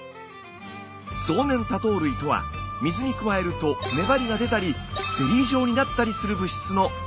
増粘多糖類とは水に加えると粘りが出たりゼリー状になったりする物質の総称のこと。